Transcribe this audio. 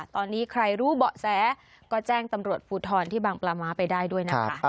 ตอนนี้ใครรู้เบาะแสก็แจ้งตำรวจภูทรที่บางปลาม้าไปได้ด้วยนะคะ